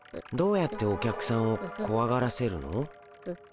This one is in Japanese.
どうやってお客さんをこわがらせるの？